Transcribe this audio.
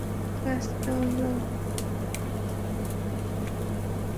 কাজ কেমন গেলো?